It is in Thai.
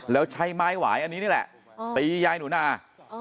แล้วใช้ไม้หวายอันนี้นี่แหละตียายหนูนา